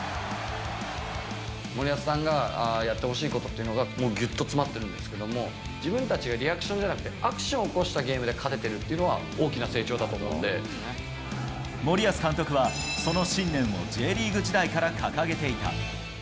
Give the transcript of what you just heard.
森保さんがやってほしいことというのが、ぎゅっと詰まってるんですけれども、自分たちがリアクションじゃなくて、アクションを起こしたゲームで勝ててるというのは、大きな成長だ森保監督は、その信念をＪリーグ時代から掲げていた。